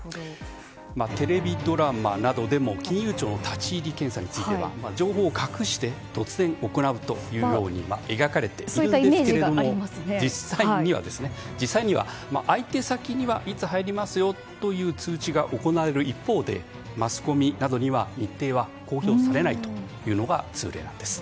テレビドラマなどでも金融庁の立ち入り検査については情報を隠して突然行うというように描かれているんですけれども実際には、相手先にはいつ入りますよという通知が行われる一方でマスコミなどには、日程は公表されないのが通例なんです。